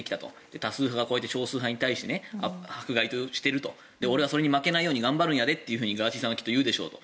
多数派が少数派に迫害していると俺はそれに負けないように頑張るんやでとガーシーさんは言うでしょうと。